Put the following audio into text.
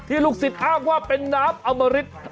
ลูกศิษย์อ้างว่าเป็นน้ำอมริต